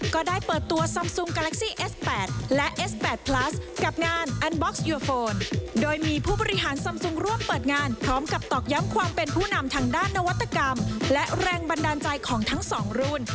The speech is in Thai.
กับตอกย้ำความเป็นผู้นำทางด้านนวัตกรรมและแรงบันดาลใจของทั้งสองรุ่น